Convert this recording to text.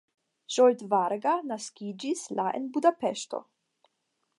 Zsolt Varga naskiĝis la en Budapeŝto.